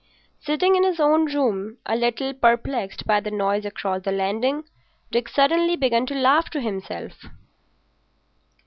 Sitting in his own room a little perplexed by the noise across the landing, Dick suddenly began to laugh to himself.